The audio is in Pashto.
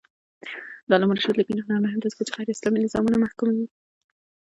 د علامه رشاد لیکنی هنر مهم دی ځکه چې غیراسلامي نظامونه محکوموي.